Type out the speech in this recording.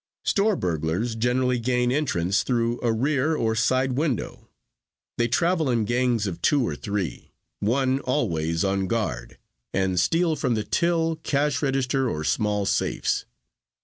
"Store burglars generally gain entrance through a rear or side window. They travel in gangs of two or three, one always on guard, and steal from the till, cash register or small safes.